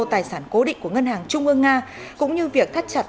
tài sản cố định của ngân hàng trung ương nga cũng như việc thắt chặt